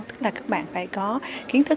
tức là các bạn phải có kiến thức về kỹ thuật